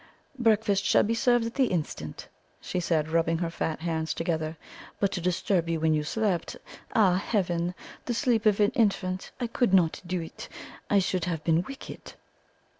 "Breakfast shall be served at the instant," she said, rubbing her fat hands together; "but to disturb you when you slept ah, Heaven! the sleep of an infant I could not do it! I should have been wicked!"